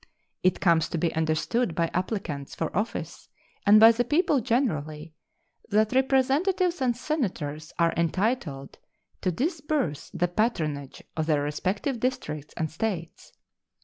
It comes to be understood by applicants for office and by the people generally that Representatives and Senators are entitled to disburse the patronage of their respective districts and States.